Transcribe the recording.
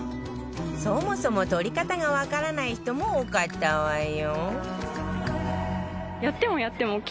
そもそも取り方がわからない人も多かったわよ